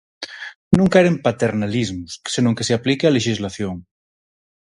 Non queren "paternalismos", senón que se aplique a lexislación.